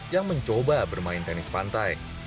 yang mencoba bermain tenis pantai